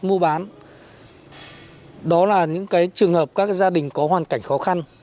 mua bán đó là những trường hợp các gia đình có hoàn cảnh khó khăn